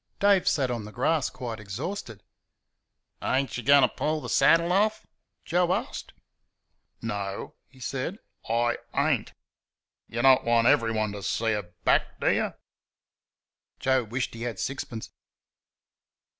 Dave sat on the grass quite exhausted. "Ain't y' goin' to pull the saddle off?" Joe asked. "No," he said. "I AIN'T. You don't want everyone to see her back, do you?" Joe wished he had sixpence.